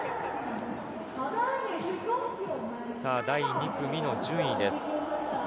第２組の順位です。